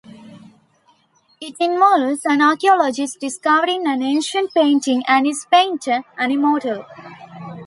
It involves an archaeologist discovering an ancient painting and its painter, an immortal.